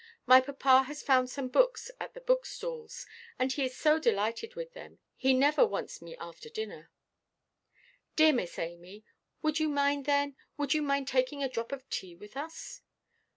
My papa has found some books at the bookstalls, and he is so delighted with them he never wants me after dinner." "Dear Miss Amy, would you mind, then—would you mind taking a drop of tea with us?"